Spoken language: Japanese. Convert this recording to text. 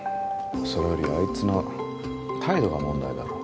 それよりあいつの態度が問題だろ。